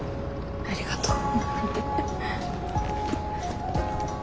ありがとう。